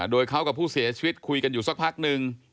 โดยเขากับผู้เสียชีวิตคุยกันอยู่สักพักนึง